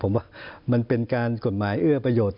ผมว่ามันเป็นการกฎหมายเอื้อประโยชน์